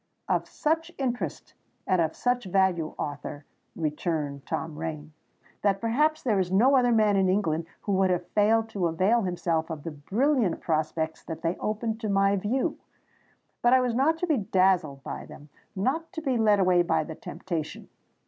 "Of such interest and of such value, Arthur," returned Tom Rain, "that perhaps there is no other man in England who would have failed to avail himself of the brilliant prospects that they opened to my view. But I was not to be dazzled by them—not to be led away by the temptation.